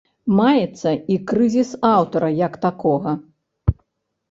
Маецца і крызіс аўтара як такога.